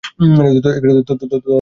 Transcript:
তোর আদুরে বাগদত্তার!